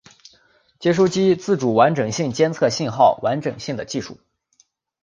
接收机自主完整性监测信号完整性的技术。